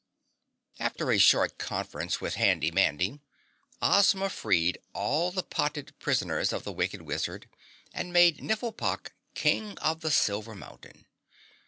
After a short conference with Handy Mandy, Ozma freed all the potted prisoners of the wicked wizard, and made Nifflepok King of the Silver Mountain.